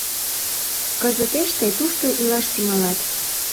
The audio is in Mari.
Кызытеш тый тушто илаш тӱҥалат.